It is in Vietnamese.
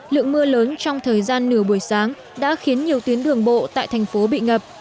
lượng mưa lớn trong thời gian nửa buổi sáng đã khiến nhiều tuyến đường bộ tại thành phố bị ngập